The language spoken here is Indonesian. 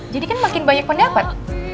jadi kan makin banyak pendapat